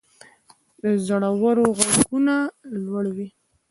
د زړورو ږغونه لوړ وي.